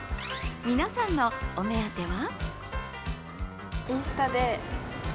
皆さんのお目当ては？